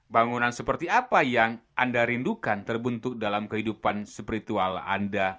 bangunan seperti apa yang anda rindukan terbentuk dalam kehidupan spiritual anda